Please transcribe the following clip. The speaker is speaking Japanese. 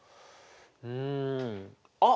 うんあっ！